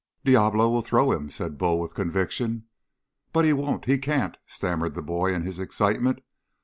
"Diablo will throw him," said Bull with conviction. "But he won't. He can't," stammered the boy in his excitement.